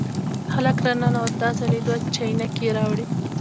هلک را ننوت، دا ځل یې دوه چاینکې راوړې.